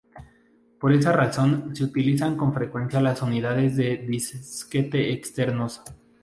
Por esa razón, se utilizan con frecuencia las unidades de disquete externos.